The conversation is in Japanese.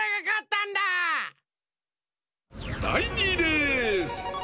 だい２レース！